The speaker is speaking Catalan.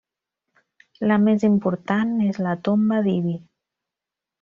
La més important és la tomba d'Ibi.